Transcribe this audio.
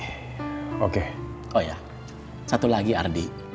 ibu nela harus rutin menjaga keadaan nela